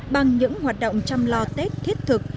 bằng những hoạt động chăm lo tết thiết thực